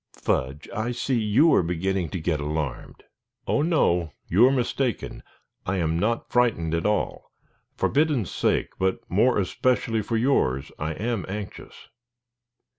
"Fudge! I see you are beginning to get alarmed." "Oh no; you are mistaken. I am not frightened at all. For Biddon's sake, but more especially for yours, I am anxious.